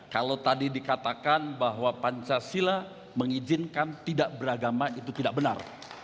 kalau tadi dikatakan bahwa pancasila mengizinkan tidak beragama itu tidak benar